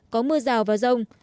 có mưa rào và rông